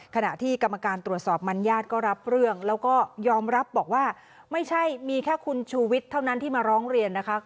ขณะที่กรรมการตรวจสอบมันญาติก็รับเรื่องแล้วก็ยอมรับบอกว่าไม่ใช่มีแค่คุณชูวิทย์เท่านั้นที่มาร้องเรียนนะคะ